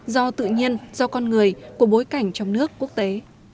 do tự nhiên do con người của bối cảnh trong nước quốc tế